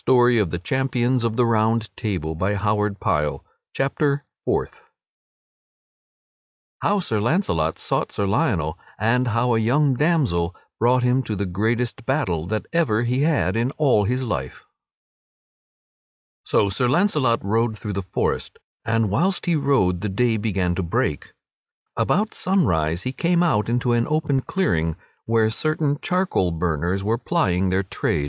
[Illustration: Sir Launcelot doeth battle with Sir Turquine] Chapter Fourth _How Sir Launcelot Sought Sir Lionel and How a Young Damsel Brought Him to the Greatest Battle that Ever He Had in All His Life_. So Sir Launcelot rode through the forest, and whilst he rode the day began to break. About sunrise he came out into an open clearing where certain charcoal burners were plying their trade.